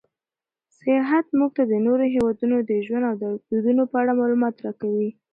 سیاحت موږ ته د نورو هېوادونو د ژوند او دودونو په اړه معلومات راکوي.